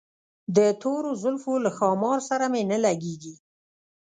د تورو زلفو له ښامار سره مي نه لګیږي